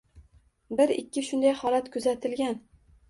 Bir-ikki shunday holat kuzatilgan